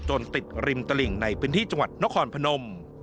ติดริมตลิ่งในพื้นที่จังหวัดนครพนม